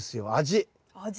味。